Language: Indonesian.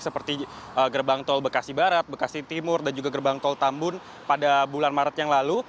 seperti gerbang tol bekasi barat bekasi timur dan juga gerbang tol tambun pada bulan maret yang lalu